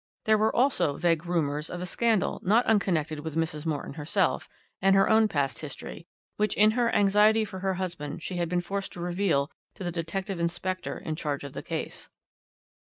There were also vague rumours of a scandal not unconnected with Mrs. Morton herself and her own past history, which in her anxiety for her husband she had been forced to reveal to the detective inspector in charge of the case.